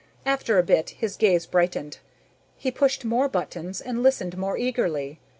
After a bit, his gaze brightened. He pushed more buttons and listened more eagerly.